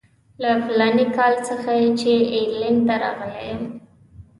له فلاني کال څخه چې انګلینډ ته راغلی یم.